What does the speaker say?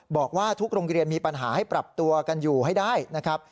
บอกว่าทุกโรงเรียนมีปัญหาให้ปรับตัวกันอยู่ให้ได้นะครับ